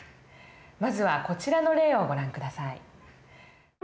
まずはこちらの例をご覧下さい。